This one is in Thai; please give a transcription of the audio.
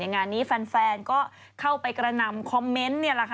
งานนี้แฟนก็เข้าไปกระนำคอมเมนต์